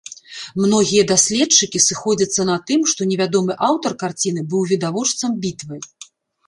Многія даследчыкі сыходзяцца на тым, што невядомы аўтар карціны быў відавочцам бітвы.